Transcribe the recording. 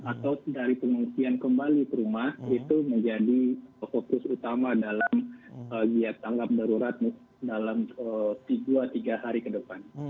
atau dari pengungsian kembali ke rumah itu menjadi fokus utama dalam giat tanggap darurat dalam tiga hari ke depan